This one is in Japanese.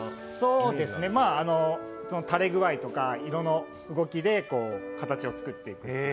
そうですね、垂れ具合とか色の動きで形をつくっていく。